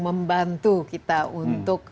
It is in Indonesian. membantu kita untuk